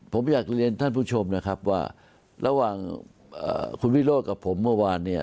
ผมอยากเรียนท่านผู้ชมนะครับว่าระหว่างคุณวิโรธกับผมเมื่อวานเนี่ย